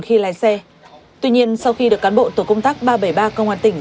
khi lái xe tuy nhiên sau khi được cán bộ tổ công tác ba trăm bảy mươi ba công an tỉnh